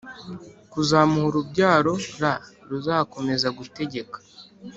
Kuzamuha urubyaro r ruzakomeza gutegeka